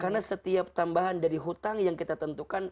karena setiap tambahan dari hutang yang kita tentukan